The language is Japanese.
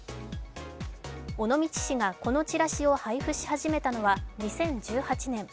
尾道市が、このチラシを配布し始めたのは２０１８年。